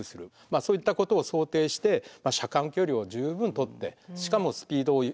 まあそういったことを想定して車間距離を十分取ってしかもスピードを控えめにしてですね